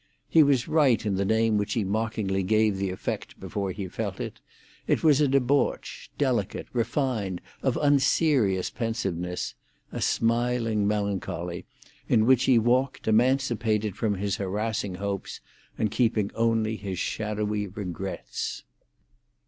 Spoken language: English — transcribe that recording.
He was right in the name which he mockingly gave the effect before he felt it; it was a debauch, delicate, refined, of unserious pensiveness, a smiling melancholy, in which he walked emancipated from his harassing hopes, and keeping only his shadowy regrets.